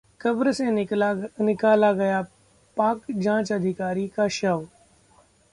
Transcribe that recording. कब्र से निकाला गया पाक जांच अधिकारी का शव